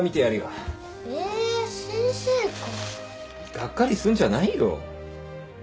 がっかりすんじゃないよ。